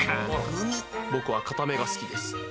僕はかためが好きです。